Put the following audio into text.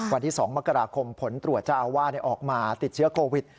วันที่๒มกราคมผลตรวจเจ้าอาวาสออกมาติดเชื้อโควิด